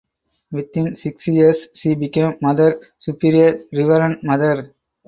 Within six years she became Mother Superior Reverend Mother.